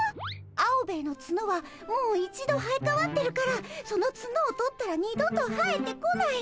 アオベエのツノはもう一度生えかわってるからそのツノを取ったら二度と生えてこない。